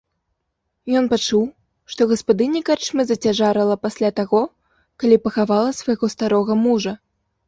Ён пачуў, што гаспадыня карчмы зацяжарала пасля таго, калі пахавала свайго старога мужа.